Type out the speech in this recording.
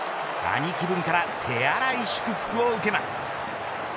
兄貴分から手荒い祝福を受けます。